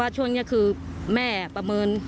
เหตุการณ์เกิดขึ้นแถวคลองแปดลำลูกกา